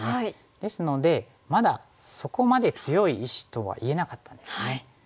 ですのでまだそこまで強い石とは言えなかったんですね。